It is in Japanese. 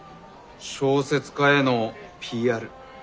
小説家へのＰＲ。